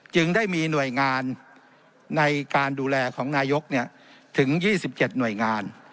จึงได้มีหน่วยงานในการดูแลของนายกถึง๒๗หน่วยงาน